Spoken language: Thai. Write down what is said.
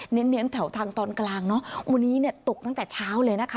เน้นแถวทางตอนกลางเนอะวันนี้เนี่ยตกตั้งแต่เช้าเลยนะคะ